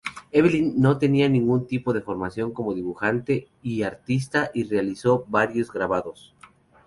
Evelyn tenía algún tipo de formación como dibujante y artista, y realizó varios grabados.